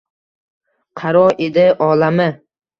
Qaro edi olami.